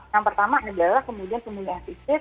yang pertama adalah kemudian pemulihan fisik